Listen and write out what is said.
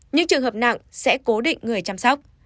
những trường hợp nặng sẽ cố định người chăm sóc